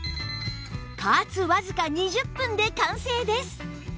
加圧わずか２０分で完成です！